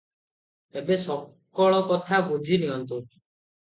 ଏବେ ସକଳ କଥା ବୁଝିନିଅନ୍ତୁ ।